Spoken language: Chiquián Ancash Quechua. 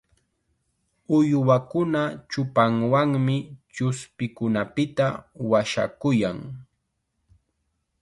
Uywakuna chupanwanmi chuspikunapita washakuyan.